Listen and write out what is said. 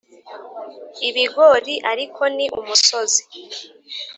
ibigori ariko ni umusozi.